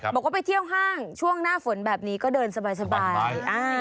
บอกว่าไปเที่ยวห้างช่วงหน้าฝนแบบนี้ก็เดินสบาย